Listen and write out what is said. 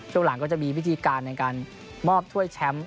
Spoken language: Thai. ช่วงหลังก็จะมีวิธีการในการมอบถ้วยแชมป์